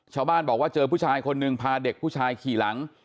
ชาวบ้านบอกว่าเจอผู้ชายคนหนึ่งพาเด็กผู้ชายขี่หลัง